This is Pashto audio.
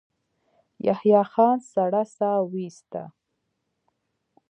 يحيی خان سړه سا وايسته.